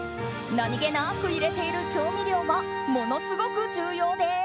何気なく入れている調味料がものすごく重要です。